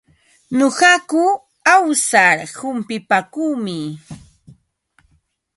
Nuqaku awsar humpipaakuumi.